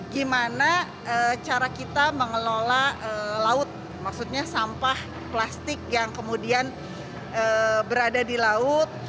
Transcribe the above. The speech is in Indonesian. gimana cara kita mengelola laut maksudnya sampah plastik yang kemudian berada di laut